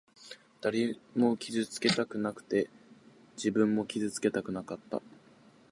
誰も傷つけたくなくて、自分も傷つきたくなかった。